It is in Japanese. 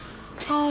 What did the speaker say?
ああ。